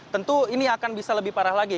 tentu ini akan bisa lebih parah lagi